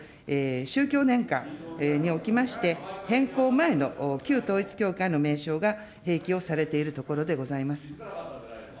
宗教年鑑におきまして、変更前の旧統一教会の名称が併記をされているところでございます。